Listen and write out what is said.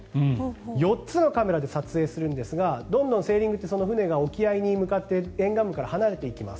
４つのカメラで撮影するんですがどんどん、セーリングって船が沖合に向かって沿岸部から離れていきます。